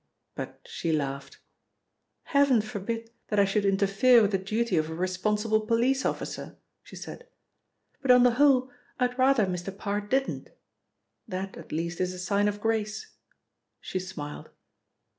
But she laughed. "Heaven forbid that I should interfere with the duty of a responsible police officer," she said, "but on the whole I'd rather Mr. Parr didn't. That at least is a sign of grace," she smiled.